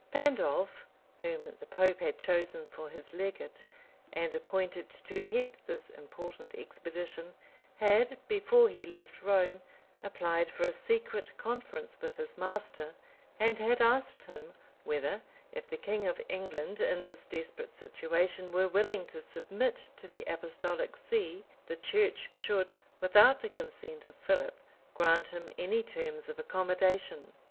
Pandolf, whom the pope had chosen for his legate, and appointed to head this important expedition, had, before he left Rome, applied for a secret conference with his master, and had asked him, whether, if the king of England, in this desperate situation, were willing to submit to the apostolic see, the church should, without the consent of Philip, grant him any terms of accommodation.